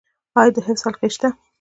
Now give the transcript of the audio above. آیا د حفظ حلقې شته؟